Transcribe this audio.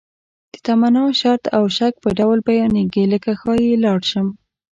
د تمنا، شرط او شک په ډول بیانیږي لکه ښایي لاړ شم.